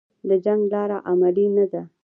د جنګ لاره عملي نه ده